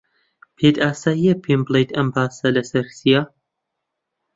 پێت ئاسایییە پێم بڵێیت ئەم باسە لەسەر چییە؟